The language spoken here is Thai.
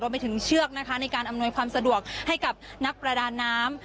ไปถึงเชือกนะคะในการอำนวยความสะดวกให้กับนักประดาน้ำ